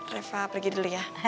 reva pergi dulu ya